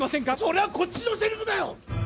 それはこっちのセリフだよ！